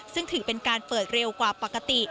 ซึ่งถือเป็นการเปิดเร็วกว่าปกติ